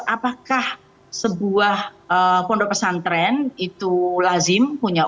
apakah sebuah kondok pesantren itu lazim punya uang